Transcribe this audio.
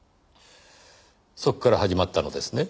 そこから始まったのですね？